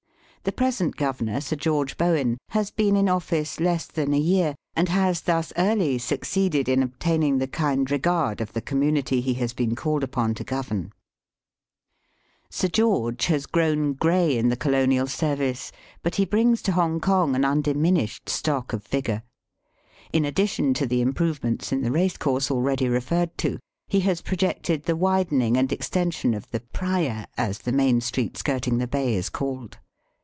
The present governor. Sir George Bowen, has been in office less than a year, and has thus early succeeded in obtaining the kind regard of the community he has been called upon to govern. Digitized by VjOOQIC il8 EAST BY WEST. Sir George has grown grey in the colonial service, but he brings to Hongkong an un diminished stock of vigour. In addition to the improvements in the racecourse ahready referred to, he has projected the widening and* extension of the Praya, as the main street skirting the bay is called.